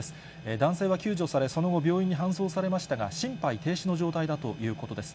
男性は救助され、その後、病院に搬送されましたが、心肺停止の状態だということです。